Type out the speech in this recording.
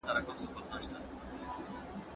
تاسو به له تند چلند څخه ډډه کوئ.